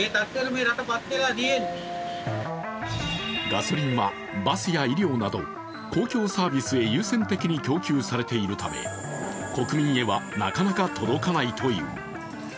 ガソリンはバスや医療など公共サービスへ優先的に供給されているため、国民へはなかなか届かないという。